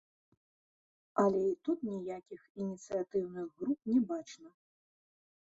Але і тут ніякіх ініцыятыўных груп не бачна.